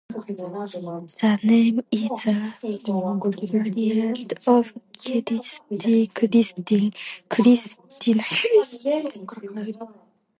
The name is a variant of Kristi, Kristin, Kristina, and Kristine.